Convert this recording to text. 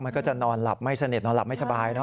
มันก็จะนอนหลับไม่สนิทนอนหลับไม่สบาย